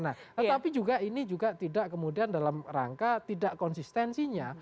nah tetapi juga ini juga tidak kemudian dalam rangka tidak konsistensinya